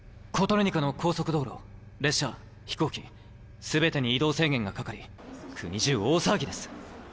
コトルニカの高速道路列車飛行機全てに移動制限がかかり国中大騒ぎです。